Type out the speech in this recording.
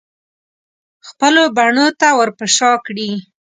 خپلو بڼو ته ورپه شا کړي